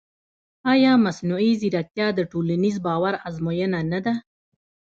ایا مصنوعي ځیرکتیا د ټولنیز باور ازموینه نه ده؟